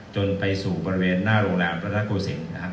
จนไปสู่บริเวณหน้าโรงแรมพระราชโกศิษฐ์